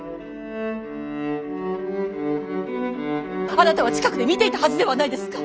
あなたは近くで見ていたはずではないですか！